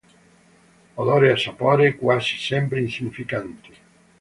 Odore e sapore: quasi sempre insignificanti.